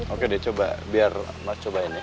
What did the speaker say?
oke udah coba biar mas cobain ya